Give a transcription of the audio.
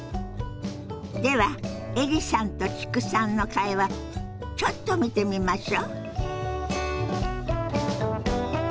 ではエリさんと知久さんの会話ちょっと見てみましょ。